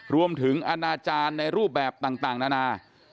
รวมถึงอาณาจารย์ในรูปแบบต่างนานา